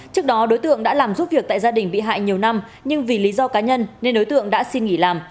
trước đó đối tượng đã làm giúp việc tại gia đình bị hại nhiều năm nhưng vì lý do cá nhân nên đối tượng đã xin nghỉ làm